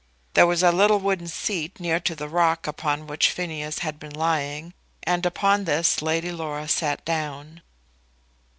There was a little wooden seat near to the rock upon which Phineas had been lying, and upon this Lady Laura sat down.